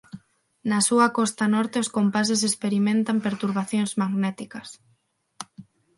Na súa costa norte os compases experimentan perturbacións magnéticas.